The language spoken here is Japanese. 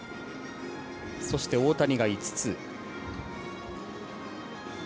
そして、大谷が５つ。